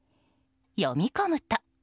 読み込むと。